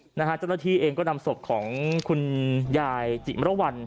เจ้าหน้าที่เองก็นำศพของคุณยายจิมรวรรณ